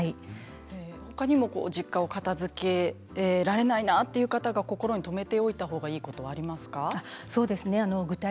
他にも実家を片づけられないという方が心に留めておいた方がいいことはありますか？